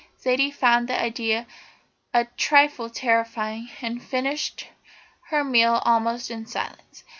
Zaidie found the idea a trifle terrifying, and finished her meal almost in silence.